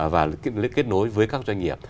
và kết nối với các doanh nghiệp